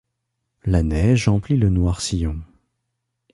La neige emplit le noir sillon.